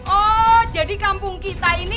oh jadi kampung kita ini